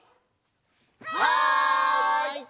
はい！